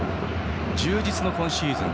充実の今シーズン。